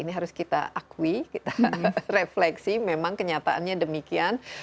ini harus kita akui kita refleksi memang kenyataannya demikian